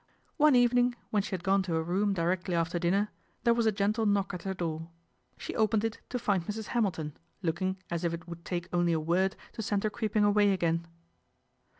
One evening, when she had gone to her room directly after dinner, there was a gentle knock at her door. She opened it to find Mrs. Hamilton, looking as if it would take only a word to send her creeping away again.